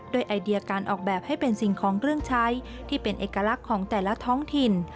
ไอเดียการออกแบบให้เป็นสิ่งของเครื่องใช้ที่เป็นเอกลักษณ์ของแต่ละท้องถิ่น